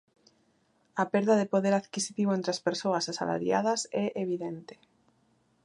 A perda de poder adquisitivo entre as persoas asalariadas é evidente.